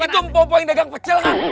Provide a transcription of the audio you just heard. itu mpok mpok yang dagang pecel kan